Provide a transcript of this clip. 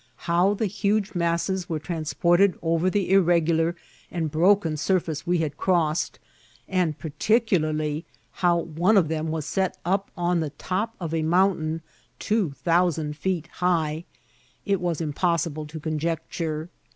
How the huge masses were transported over the irregular and broken wBtbce We had crossed, and particularly how one of them was set up on the top of a mountain two thousand feet jiigh, it was impossible to conjecture.